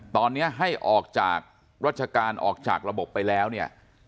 ตอนนี้ให้ออกจากราชการออกจากระบบไปแล้วเนี่ย